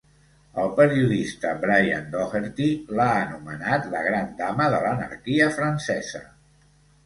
El periodista Brian Doherty l'ha anomenat la gran dama de l'anarquia francesa.